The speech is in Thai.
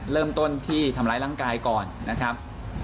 เริ่มต้นที่ทำร้ายร่างกายก่อนนะครับ